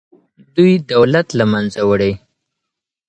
دوی دولت له منځه وړي.